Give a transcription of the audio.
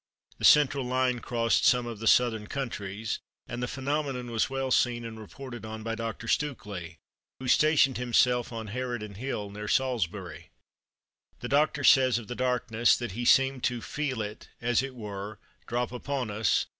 The central line crossed some of the southern countries, and the phenomenon was well seen and reported on by Dr. Stukeley, who stationed himself on Haraden Hill, near Salisbury. The Doctor says of the darkness that he seemed to "feel it, as it were, drop upon us